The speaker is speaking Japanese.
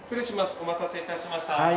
お待たせいたしました。